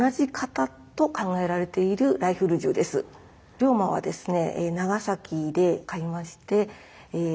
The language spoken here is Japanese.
龍馬はですね